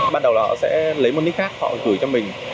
ban đầu là họ sẽ lấy một nick khác họ gửi cho mình